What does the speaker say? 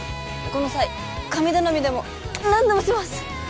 この際神頼みでも何でもします